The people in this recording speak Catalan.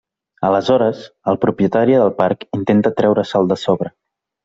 Aleshores, el propietari del parc intenta treure-se'l de sobre.